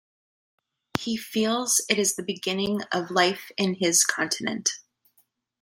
He feels it is the beginning of life in his continent.